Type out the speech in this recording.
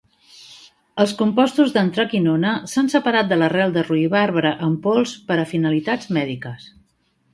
Els compostos d'antraquinona s'han separat de l'arrel de ruibarbre en pols per a finalitats mèdiques.